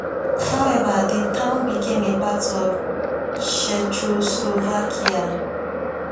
However, the town became a part of Czechoslovakia.